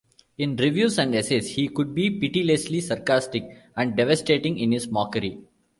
In reviews and essays he could be pitilessly sarcastic, and devastating in his mockery.